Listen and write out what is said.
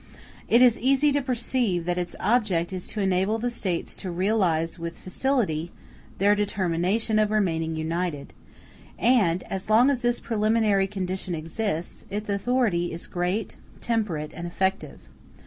It is easy to perceive that its object is to enable the States to realize with facility their determination of remaining united; and, as long as this preliminary condition exists, its authority is great, temperate, and effective.